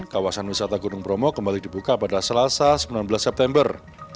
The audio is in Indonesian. kawasan wisata gunung bromo kembali dibuka pada selasa sembilan belas september